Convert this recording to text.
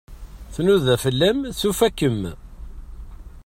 Tnuda fell-am, tufa-kem.